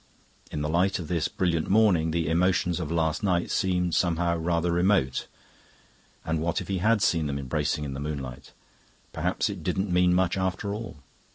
In the light of this brilliant morning the emotions of last night seemed somehow rather remote. And what if he had seen them embracing in the moonlight? Perhaps it didn't mean much after all.